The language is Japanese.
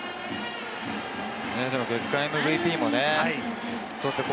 月間ＭＶＰも取って。